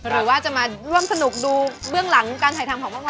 หรือว่าจะมาร่วมสนุกดูเบื้องหลังการถ่ายทำของพวกเรา